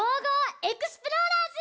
エクスプローラーズ」！